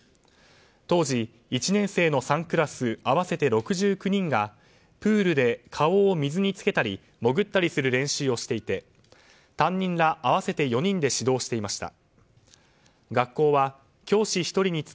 当時、１年生の３クラス合わせて６９人がプールで顔を水につけたり潜ったりする練習をしていて担任ら合わせて４人で指導していました。